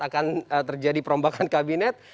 akan terjadi perombakan kabinet